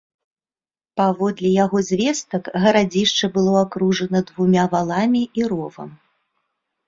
Паводле яго звестак, гарадзішча было акружана двума валамі і ровам.